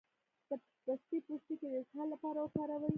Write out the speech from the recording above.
د پسته پوستکی د اسهال لپاره وکاروئ